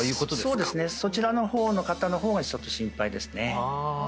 そうですねそちらのほうの方のほうがちょっと心配ですねああああ